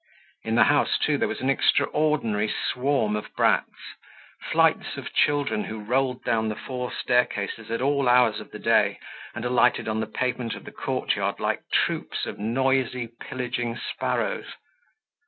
In the house, too, there was an extraordinary swarm of brats, flights of children who rolled down the four staircases at all hours of the day and alighted on the pavement of the courtyard like troops of noisy pillaging sparrows.